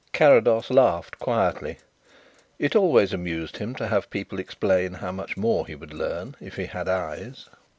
Carrados laughed quietly. It always amused him to have people explain how much more he would learn if he had eyes.